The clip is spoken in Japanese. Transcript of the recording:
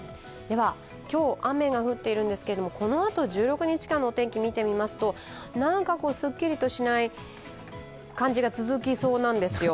今日、雨が降っているんですけれども、このあと１６日間の天気を見ていきますと何かすっきりとしない感じが続きそうなんですよ。